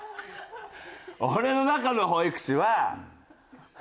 俺の中の保育士は。